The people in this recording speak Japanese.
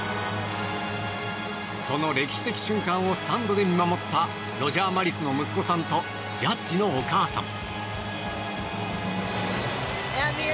その歴史的瞬間をスタンドで見守ったロジャー・マリスの息子さんとジャッジのお母さん。